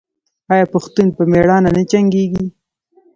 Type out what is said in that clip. آیا پښتون په میړانه نه جنګیږي؟